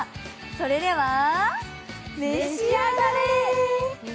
それでは、召し上がれ！